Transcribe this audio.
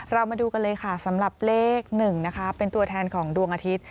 เรามาดูกันเลยค่ะสำหรับเลข๑นะคะเป็นตัวแทนของดวงอาทิตย์